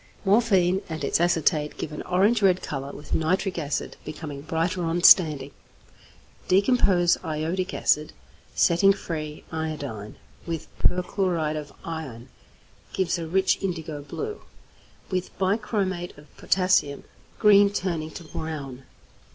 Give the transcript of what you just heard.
_ Morphine and its acetate give an orange red colour with nitric acid, becoming brighter on standing; decompose iodic acid, setting free iodine; with perchloride of iron, gives a rich indigo blue; with bichromate of potassium, a green turning to brown.